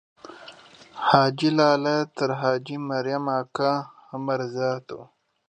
حاجي لالی تر حاجي مریم اکا عمر زیات وو.